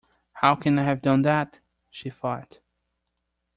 ‘How can I have done that?’ she thought.